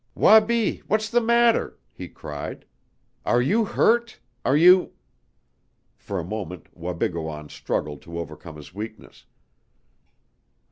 "Wabi what's the matter?" he cried. "Are you hurt? Are you " For a moment Wabigoon struggled to overcome his weakness.